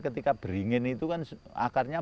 ketika beringin itu kan akarnya